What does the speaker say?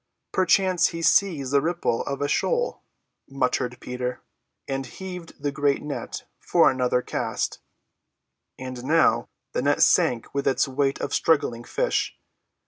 "Perchance he sees the ripple of a shoal," muttered Peter, and heaved the great net for another cast. And now the net sank with its weight of struggling fish.